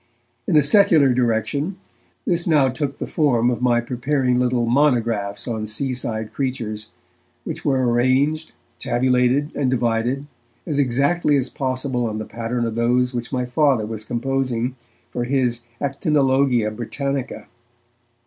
In the secular direction, this now took the form of my preparing little monographs on seaside creatures, which were arranged, tabulated and divided as exactly as possible on the pattern of those which my Father was composing for his Actinologia Britannica.